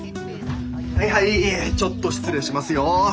はいはいちょっと失礼しますよ。